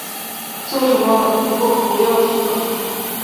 做什么或不要去做什么